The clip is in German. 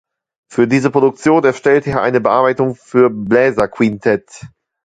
Für diese Produktion erstellte er eine Bearbeitung für Bläserquintett.